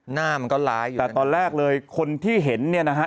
หน้ามันก็ร้ายอยู่แต่ตอนแรกเลยคนที่เห็นเนี่ยนะฮะ